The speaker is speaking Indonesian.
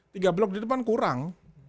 tiga blok di depan kurang